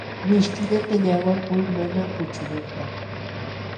Mishkillata llaqwakuy mana puchunanpaq.